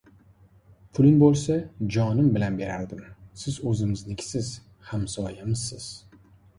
Pulim bo‘lsa jonim bilan berardim. Siz o‘zimiznikisiz, hamsoyamizsiz.